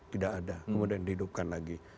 tidak ada kemudian dihidupkan lagi